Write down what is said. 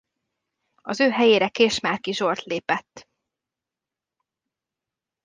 Az ő helyére Késmárki Zsolt lépett.